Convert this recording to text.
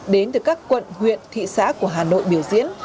đến từ các quận huyện thị xã của hà nội biểu diễn